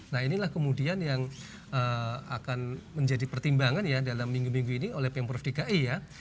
nah inilah kemudian yang akan menjadi pertimbangan ya dalam minggu minggu ini oleh pemprov dki ya